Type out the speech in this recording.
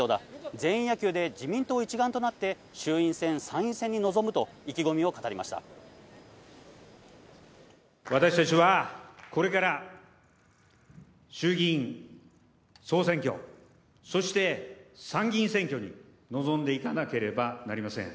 全員野球で自民党一丸となって、衆院選、参院選に臨むと意気込み私たちはこれから、衆議院総選挙、そして参議院選挙に臨んでいかなければなりません。